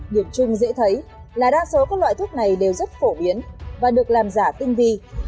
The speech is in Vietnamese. điểm chung dễ thấy là đa số các loại thuốc này đều rất phổ biến và được làm giả tinh vi